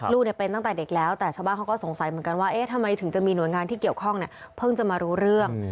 เป็นตั้งแต่เด็กแล้วแต่ชาวบ้านเขาก็สงสัยเหมือนกันว่าเอ๊ะทำไมถึงจะมีหน่วยงานที่เกี่ยวข้องเนี่ยเพิ่งจะมารู้เรื่อง